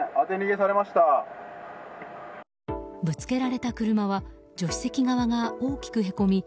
ぶつけられた車は助手席側が大きくへこみ